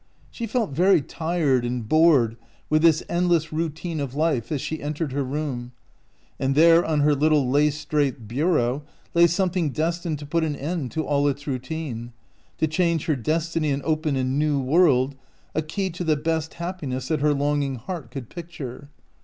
She felt very tired and bored with this endless routine of life as she entered her room; and there on her little lace draped bureau lay something destined to put an end to all its routine — to change her destiny and open a new world — a key to the best hap piness that her longing heart could picture.